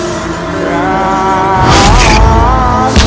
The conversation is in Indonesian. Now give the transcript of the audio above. baik ayahanda prabu